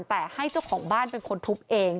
แต่ให้เจ้าของบ้านเป็นคนทุบเอง